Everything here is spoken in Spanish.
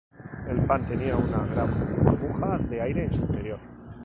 El pan tenía una gran burbuja de aire en su interior.